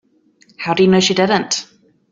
How do you know she didn't?